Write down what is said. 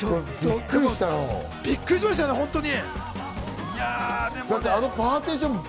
びっくりしましたね、本当に。